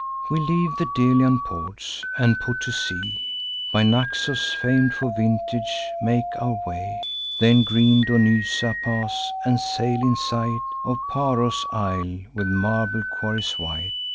"We leave the Delian ports, and put to sea. By Naxos, fam'd for vintage, make our way; Then green Donysa pass; and sail in sight Of Paros' isle, with marble quarries white.